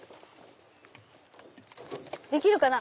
できるかな？